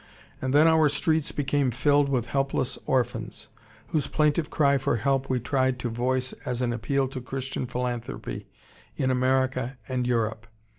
And then our streets became filled with helpless orphans, whose plaintive cry for help we tried to voice as an appeal to Christian philanthropy in America and Europe.